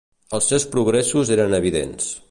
Els seus progressos eren evidents.